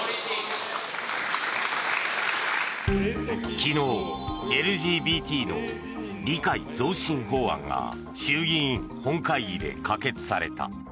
昨日ＬＧＢＴの理解増進法案が衆議院本会議で可決された。